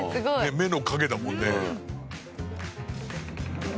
「眼の影」だもんね。